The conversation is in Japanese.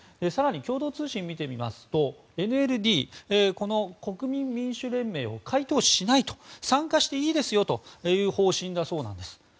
更に共同通信を見てみますとＮＬＤ・国民民主連盟を解党しないと参加していいですよという方針なんだそうです。